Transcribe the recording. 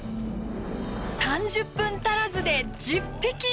３０分足らずで１０匹。